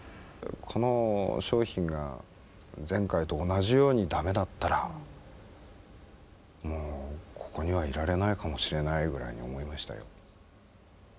この商品が前回と同じように駄目だったらもうここにはいられないかもしれないぐらいに思いましたよ。